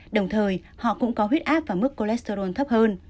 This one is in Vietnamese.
đồng thời họ cũng có huyết áp và mức cholesterol thấp hơn